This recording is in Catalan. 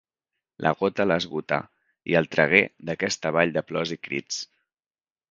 La gota l'esgotà, i el tragué d'aquesta vall de plors i crits;